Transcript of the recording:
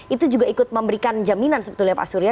itu juga ikut memberikan jaminan sebetulnya pak surya